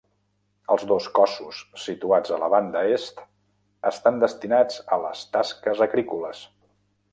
Els dos cossos situats a la banda est estan destinats a les tasques agrícoles.